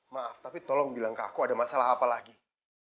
maaf tapi tolong bilang ke aku ada masalah apa lagi